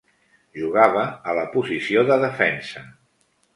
Jugava a la posició de defensa.